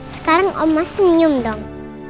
sekarang oma senyum dong